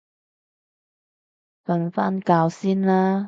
瞓返覺先啦